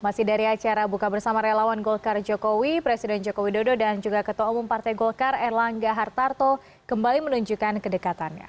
masih dari acara buka bersama relawan golkar jokowi presiden jokowi dodo dan juga ketua umum partai golkar erlangga hartarto kembali menunjukkan kedekatannya